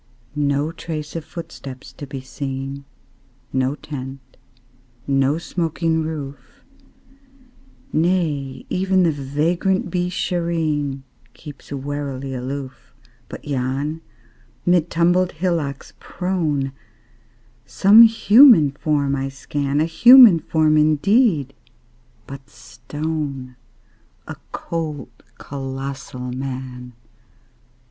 No trace of footsteps to be seen, No tent, no smoking roof; Nay, even the vagrant Beeshareen Keeps warily aloof. But yon, mid tumbled hillocks prone, Some human form I scan A human form, indeed, but stone: A cold, colossal Man!